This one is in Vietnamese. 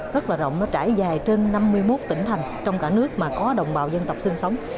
rất là rộng nó trải dài trên năm mươi một tỉnh thành trong cả nước mà có đồng bào dân tộc sinh sống